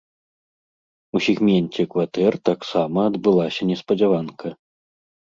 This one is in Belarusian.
У сегменце кватэр таксама адбылася неспадзяванка.